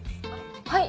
はい。